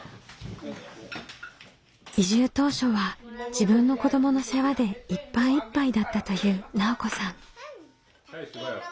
移住当初は自分の子どもの世話でいっぱいいっぱいだったという奈緒子さん。